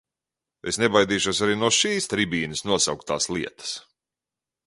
Es nebaidīšos arī no šīs tribīnes nosaukt tās lietas.